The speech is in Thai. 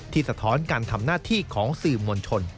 สะท้อนการทำหน้าที่ของสื่อมวลชน